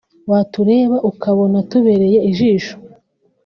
watureba ukabona tubereye ijisho